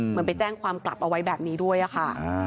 ไปแจ้งความกลับเอาไว้แบบนี้ด้วยค่ะ